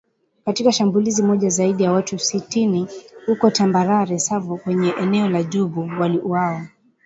Katika shambulizi moja zaidi ya watu sitini huko Tambarare Savo kwenye eneo la Djubu waliuawa